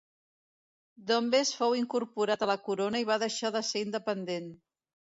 Dombes fou incorporat a la corona i va deixar de ser independent.